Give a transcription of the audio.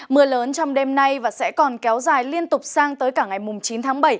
mưa lớn trong đêm nay và sẽ còn kéo dài liên tục sang tới cả ngày chín tháng bảy